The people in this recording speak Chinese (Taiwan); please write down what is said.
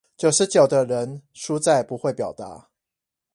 九十九的人輸在不會表達